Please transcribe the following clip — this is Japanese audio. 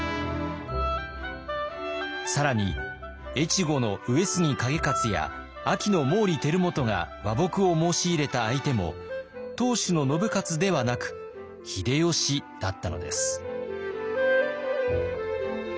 更に越後の上杉景勝や安芸の毛利輝元が和睦を申し入れた相手も当主の信雄ではなく秀吉だったのです。